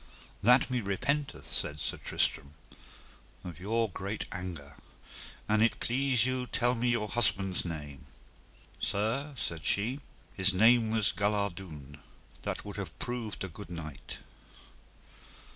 That me repenteth, said Sir Tristram, of your great anger; an it please you tell me your husband's name. Sir, said she, his name was Galardoun, that would have proved a good knight.